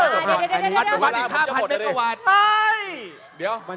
วัตถี๕๐๐๐เมกะวัน